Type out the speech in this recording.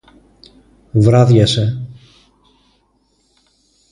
Βράδιασε